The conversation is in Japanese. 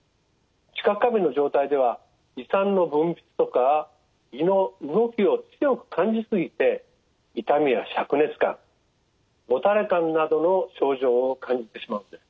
知覚過敏の状態では胃酸の分泌とか胃の動きを強く感じ過ぎて痛みやしゃく熱感もたれ感などの症状を感じてしまうんです。